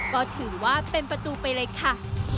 ก็ถือว่าเป็นประตูไปเลยค่ะ